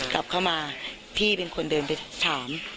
กลับเข้ามาพี่เป็นคนเดินไปถาม